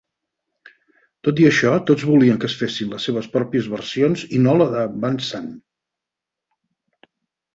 Tot i això, tots volien que es fessin les seves pròpies versions i no la de Van Sant.